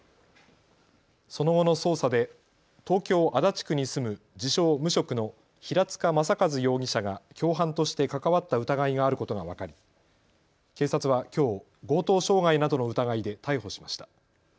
その後の捜査で東京足立区に住む自称無職の平塚雅一容疑者が共犯として関わった疑いがあることが分かり警察はきょう強盗傷害などの疑いで逮捕しました。